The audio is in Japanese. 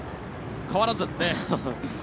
変わらずですね。